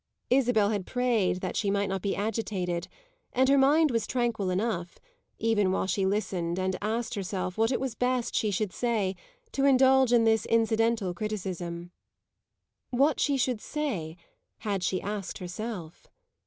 Isabel had prayed that she might not be agitated, and her mind was tranquil enough, even while she listened and asked herself what it was best she should say, to indulge in this incidental criticism. What she should say, had she asked herself?